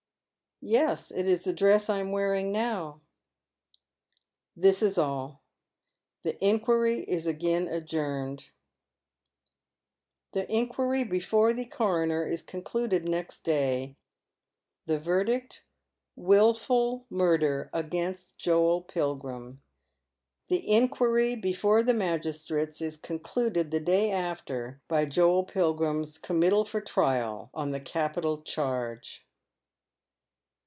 " Yes. It is the dress I am wearing now." Tliis is all. The inquiry i« agai'^ adiourned. ".4 Dark Tale Darkly FinisTieS. 877 The inquiry before tlie coroner is concluded next day, the verdict wili'ul murder against Joel Pilgrim. The inquiry before the magistrates is concluded the day after by Joel Pilgiim'g eommittal for trial, on the capital charge.